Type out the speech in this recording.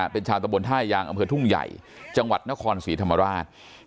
เป็นชาวตะบนท่ายางอำเภอทุ่งใหญ่จังหวัดนครศรีธรรมราช